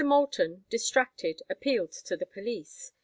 Moulton, distracted, appealed to the police.